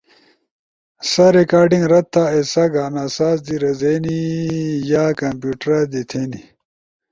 سا ریکارڈنگ رد تھا ایسا گانا ساز دی رزینی یا کمپیوٹرا دی تھے نی۔